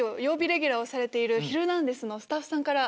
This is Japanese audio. レギュラーをされてる『ヒルナンデス！』のスタッフさんから。